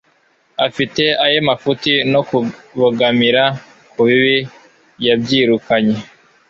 afite aye mafuti no kubogamira ku bibi yabyirukanye